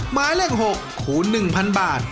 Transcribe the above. หมายเลข๖คูณ๑๐๐๐บาท